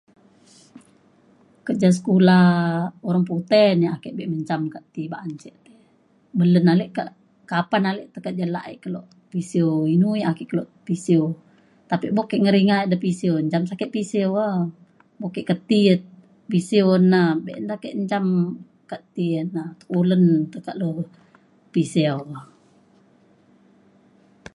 kerja sekula orang puteh na ia’ ake abek menjam ka ti ba’an ce melen ale ka kapan ale tekak jelai kelo pisiu inu ia’ ake kelo pisiu tapi buk ke ngeringa ida de pisiu njam pa ake pisiu o. mok ke keti ia’ pisiu na be’un tekak ake njam ka ti ia’ na pulen tekak lu pisiu